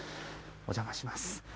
お邪魔します。